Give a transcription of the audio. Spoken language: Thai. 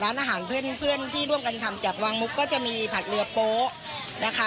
ร้านอาหารเพื่อนที่ร่วมกันทำจากวางมุกก็จะมีผัดเรือโป๊ะนะคะ